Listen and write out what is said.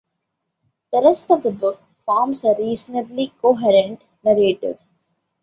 The rest of the book forms a reasonably coherent narrative.